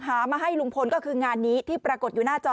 หามาให้ลุงพลก็คืองานนี้ที่ปรากฏอยู่หน้าจอ